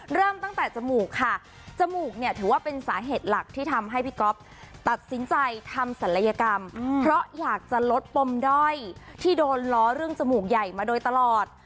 เริ่มตั้งแต่จมูกค่ะจมูกเนี่ยถือว่าเป็นสาเหตุหลักที่ทำให้พี่ก๊อฟตัดสินใจทำศัลยกรรมเพราะอยากจะลดปมด้อยที่โดนล้อเรื่องจมูกใหญ่มาโดยตลอด